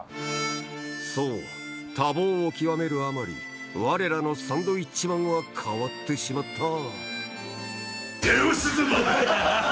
そう多忙を極めるあまりわれらのサンドウィッチマンは変わってしまった手押し相撲だよ！